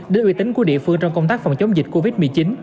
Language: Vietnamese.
đến uy tín của địa phương trong công tác phòng chống dịch covid một mươi chín